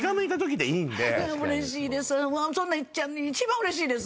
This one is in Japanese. うれしいです。